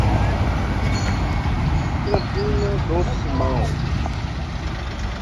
Campina do Simão